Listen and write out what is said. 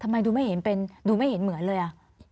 ทำไมดูไม่เห็นเหมือนเลย